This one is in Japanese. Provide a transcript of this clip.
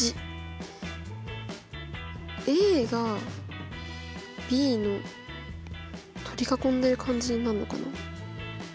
ＡがＢの取り囲んでる感じになるのかな？